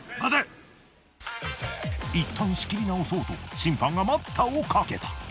いったん仕切り直そうと審判が待ったをかけた。